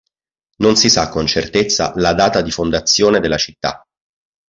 Non si sa con certezza la data di fondazione della città.